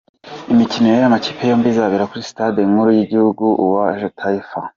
Imikino y’aya makipe yombi izabera kuri stade nkuru y’igihugu, Uwanja wa Taifa.